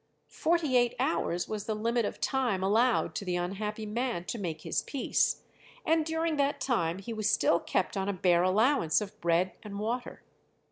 Forty eight hours was the limit of time allowed to the unhappy man to make his peace, and during that time he was still kept on a bare allowance of bread and water.